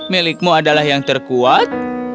milikmu adalah yang terkuat